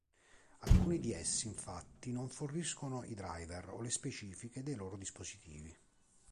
Alcuni di essi infatti non forniscono i driver o le specifiche dei loro dispositivi.